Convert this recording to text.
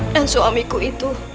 dan suamiku itu